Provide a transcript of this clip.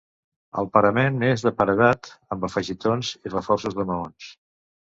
El parament és de paredat, amb afegitons i reforços de maons.